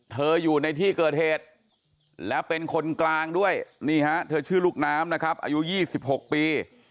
อยู่ในที่เกิดเหตุแล้วเป็นคนกลางด้วยนี่ฮะเธอชื่อลูกน้ำนะครับอายุ๒๖ปี